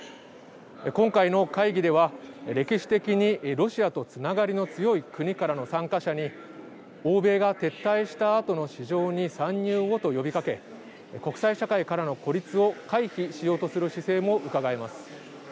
今回の会議では、歴史的にロシアとつながりの強い国からの参加者に欧米が撤退したあとの市場に参入をと呼びかけ国際社会からの孤立を回避しようとする姿勢もうかがえます。